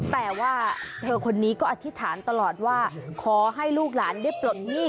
แต่ว่าเธอคนนี้ก็อธิษฐานตลอดว่าขอให้ลูกหลานได้ปลดหนี้